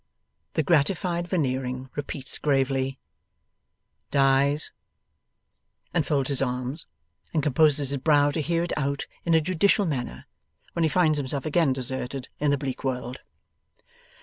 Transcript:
The gratified Veneering repeats, gravely, 'dies'; and folds his arms, and composes his brow to hear it out in a judicial manner, when he finds himself again deserted in the bleak world.